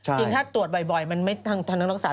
จริงถ้าตรวจบ่อยมันไม่ทันต้องรักษา